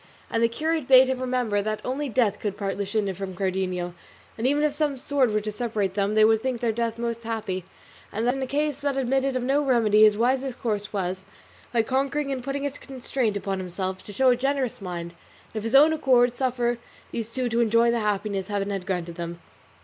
And the curate bade him remember that only death could part Luscinda from Cardenio; that even if some sword were to separate them they would think their death most happy; and that in a case that admitted of no remedy his wisest course was, by conquering and putting a constraint upon himself, to show a generous mind, and of his own accord suffer these two to enjoy the happiness Heaven had granted them.